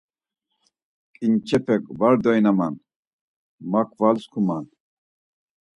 Ǩinçepek var doinaman, makval skuman?